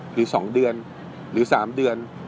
หรือ๒เดือนหรือ๓เดือน